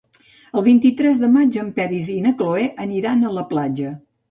El vint-i-tres de maig en Peris i na Cloè aniran a la platja.